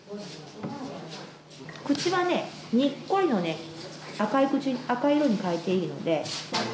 口は、にっこりの赤い色に変えていいので。